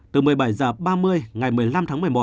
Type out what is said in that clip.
từ một mươi bảy h ba mươi ngày một mươi năm tháng một mươi một